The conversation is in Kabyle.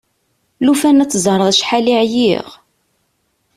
Lufan ad teẓreḍ acḥal i ɛyiɣ!